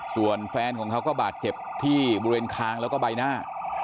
ส่วนแฟนของเขาก็บาดเจ็บที่บุเร่งคลางและใบหน้า